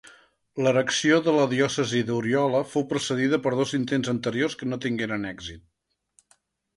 L'erecció de la diòcesi d'Oriola fou precedida per dos intents anteriors que no tingueren èxit.